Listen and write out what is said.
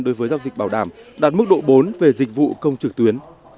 đối với giao dịch bảo đảm đạt mức độ bốn về dịch vụ công trực tuyến